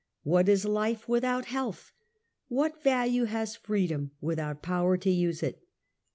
What is life without health ? What value has freedom without power to use it